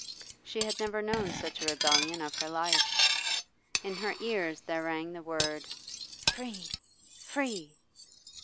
She had never known such a rebellion of her life. In her ears there rang the word 'Free! free!